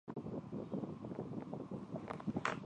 娆灰蝶族是灰蝶科线灰蝶亚科里的一个族。